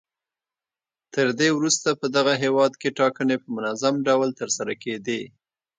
تر دې وروسته په دغه هېواد کې ټاکنې په منظم ډول ترسره کېدې.